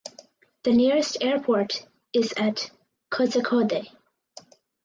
The nearest airport is at Kozhikode.